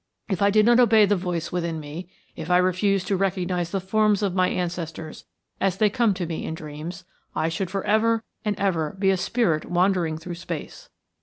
If I did not obey the voice within me, if I refused to recognise the forms of my ancestors as they come to me in dreams, I should for ever and ever be a spirit wandering through space.